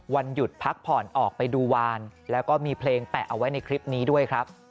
วันหยุดพักผ่อนออกไปดูวานแล้วก็มีเพลงแปะเอาไว้ในคลิปนี้ด้วยครับ